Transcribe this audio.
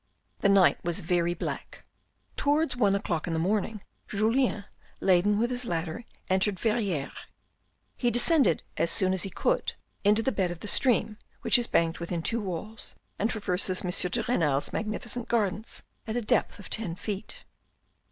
The night was very black. Towards one o'clock in the morning, Julien, laden with his ladder, entered Verrieres. He descended as soon as he could into the bed of the stream, which is banked within two walls, and traverses M. de Renal's magnificent gardens at a depth of ten feet.